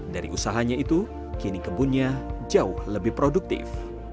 dari usahanya itu kini kebunnya jauh lebih produktif